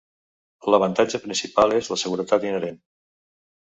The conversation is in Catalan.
L'avantatge principal és la seguretat inherent.